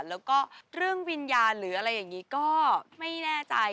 แล้วก็เรื่องวิญญาณหรืออะไรอย่างนี้ก็ไม่แน่ใจ